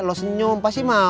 lu senyum pasti mau